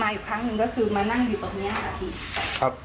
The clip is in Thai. มาอยู่ครั้งหนึ่งก็คือมานั่งอยู่ตรงนี้ค่ะพี่